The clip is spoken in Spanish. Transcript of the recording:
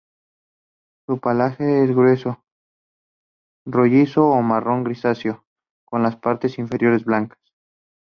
Su pelaje es grueso, rojizo o marrón grisáceo, con las partes inferiores blancas.